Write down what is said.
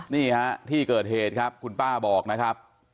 นี่ฮะที่เกิดเหตุครับคุณป้าบอกนะครับ